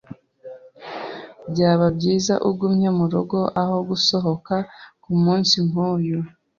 Byaba byiza ugumye murugo aho gusohoka kumunsi nkuyu. .